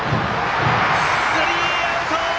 スリーアウト！